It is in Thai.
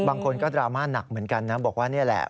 บางคนก็ดราม่าหนักเหมือนกันนะบอกว่านี่แหละ